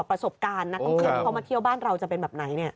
ประสบการณ์นักท่องเที่ยวที่เขามาเที่ยวบ้านเราจะเป็นแบบไหน